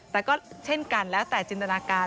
แต่ก็เช่นกันแล้วแต่จินตนาการ